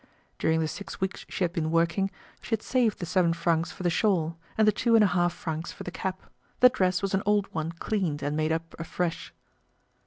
During the six weeks she had been working, she had saved the seven francs for the shawl, and the two and a half francs for the cap; the dress was an old one cleaned and made up afresh.